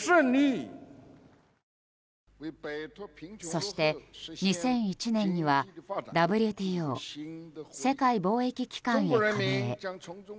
そして２００１年にはＷＴＯ・世界貿易機関へ加盟。